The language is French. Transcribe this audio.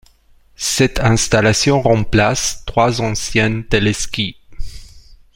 Cette installation remplace trois anciens téléskis.